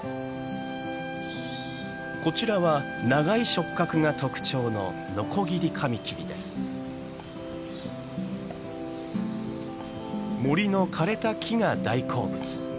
こちらは長い触角が特徴の森の枯れた木が大好物。